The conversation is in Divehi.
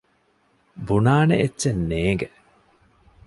ބުނާނެ އެއްޗެއް ނޭނގެ